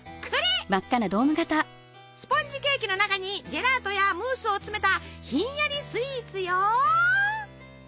スポンジケーキの中にジェラートやムースを詰めたひんやりスイーツよ！